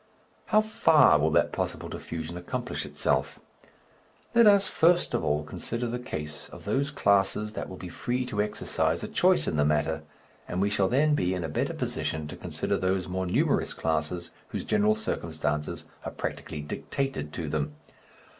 How far will that possible diffusion accomplish itself? Let us first of all consider the case of those classes that will be free to exercise a choice in the matter, and we shall then be in a better position to consider those more numerous classes whose general circumstances are practically dictated to them.